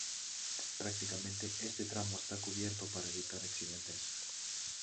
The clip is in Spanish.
Prácticamente este tramo está cubierto para evitar accidentes.